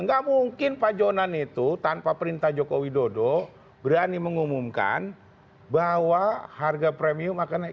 nggak mungkin pak jonan itu tanpa perintah joko widodo berani mengumumkan bahwa harga premium akan naik